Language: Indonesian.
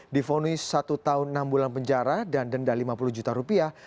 difonis satu tahun enam bulan penjara dan denda lima puluh juta rupiah